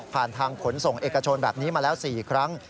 ผ่านทางขนส่งเอกชนแบบนี้มาแล้ว๔ครั้ง